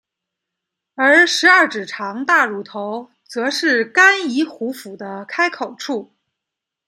而十二指肠大乳头则是肝胰壶腹的开口处。